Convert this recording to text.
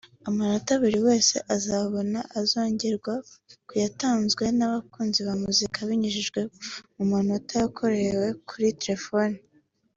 Amanota buri wese azabona azongerwa ku yatanzwe n’abakunzi ba muzika binyuze mu matora yakorewe kuri telefone